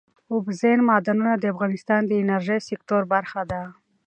اوبزین معدنونه د افغانستان د انرژۍ سکتور برخه ده.